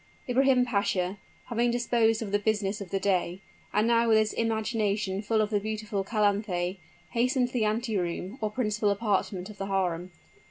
Ibrahim Pasha, having disposed of the business of the day, and now with his imagination full of the beautiful Calanthe, hastened to the anteroom, or principal apartment of the harem.